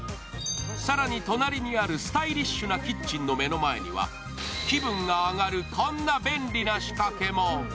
更に隣にあるスタイリッシュなキッチンの目の前には気分が上がるこんな便利な仕掛けも。